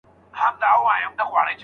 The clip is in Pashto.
له جاپان سره مو تجارتي اړیکې پرې شوې.